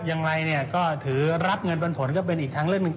อย่างไรเนี่ยก็ถือรับเงินปันผลก็เป็นอีกทางเรื่องหนึ่ง